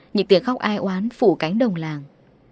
những tiếng khóc ai oán phủ cánh đồng làng